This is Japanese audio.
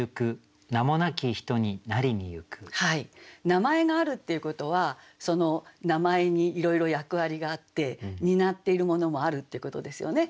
名前があるっていうことはその名前にいろいろ役割があって担っているものもあるっていうことですよね。